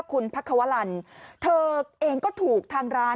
คุณพักควรรณเธอเองก็ถูกทางร้าน